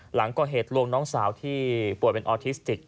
หลังก่อเหตุลวงน้องสาวที่ป่วยเป็นออทิสติก